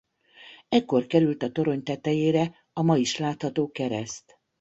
Ekkor került a torony tetejére a ma is látható kereszt.